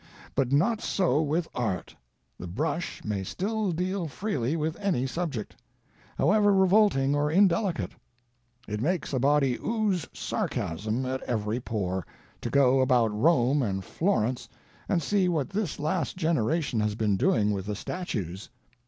But not so with Art. The brush may still deal freely with any subject; however revolting or indelicate. It makes a body ooze sarcasm at every pore, to go about Rome and Florence and see what this last generation has been doing with the statues.